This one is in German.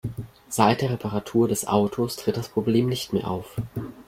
Seit der Reparatur des Autos tritt das Problem nicht mehr auf.